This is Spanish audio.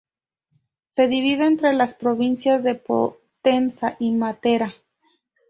Se divide entre las provincias de Potenza y Matera.